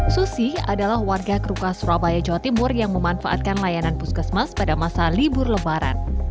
susi adalah warga krukah surabaya jawa timur yang memanfaatkan layanan puskesmas pada masa libur lebaran